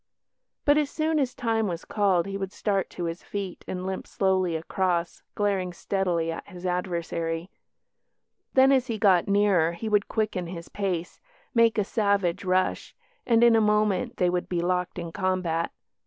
But as soon as time was called he would start to his feet and limp slowly across glaring steadily at his adversary; then, as he got nearer, he would quicken his pace, make a savage rush, and in a moment they would be locked in combat.